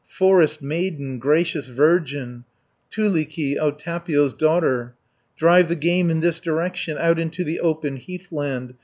"Forest maiden, gracious virgin, Tuulikki, O Tapio's daughter! Drive the game in this direction, Out into the open heathland.